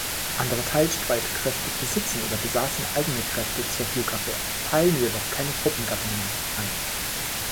Andere Teilstreitkräfte besitzen oder besaßen eigene Kräfte zur Flugabwehr, teilen jedoch keine Truppengattungen ein.